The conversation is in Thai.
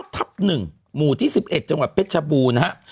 ทับ๑หมู่ที่๑๑จังหวัดเพชรชบูรณ์นะฮะ